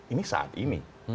ini saat ini